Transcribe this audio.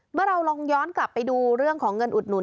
เมื่อเราลองย้อนกลับไปดูเรื่องของเงินอุดหนุน